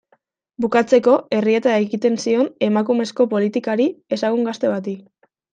Bukatzeko, errieta egiten zion emakumezko politikari ezagun gazte bati.